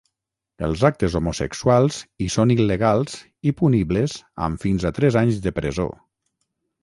Els actes homosexuals hi són il·legals i punibles amb fins a tres anys de presó.